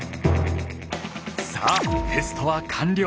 さあテストは完了。